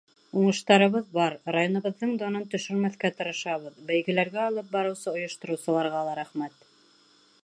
Уңыштарыбыҙ бар, районыбыҙҙың данын төшөрмәҫкә тырышабыҙ, бәйгеләргә алып барыусы ойоштороусыларға ла рәхмәт.